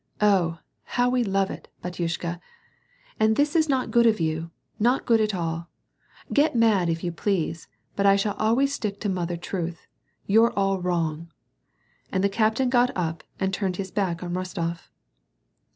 Oh ! how we love it, batynshka ! And this is not good of you, not good at all ! Get mad if you please, but I shall always stick to mother truth. You're all wrong." And the captain got up and turned his back on Kostof.